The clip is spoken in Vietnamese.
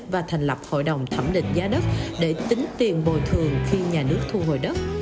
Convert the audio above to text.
và thành lập hội đồng thẩm định giá đất để tính tiền bồi thường khi nhà nước thu hồi đất